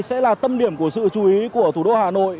sẽ là tâm điểm của sự chú ý của thủ đô hà nội